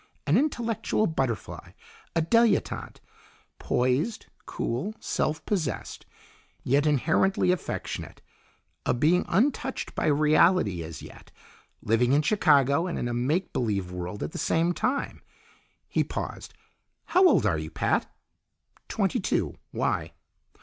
An intellectual butterfly; a dilettante. Poised, cool, self possessed, yet inherently affectionate. A being untouched by reality, as yet, living in Chicago and in a make believe world at the same time." He paused, "How old are you, Pat?" "Twenty two. Why?"